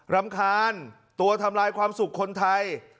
รำคาญตัวทำลายความสุขคนไทย